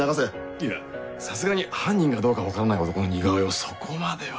いやさすがに犯人かどうか分からない男の似顔絵をそこまでは。